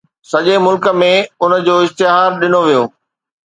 سڄي ملڪ ۾ ان جو اشتهار ڏنو ويو.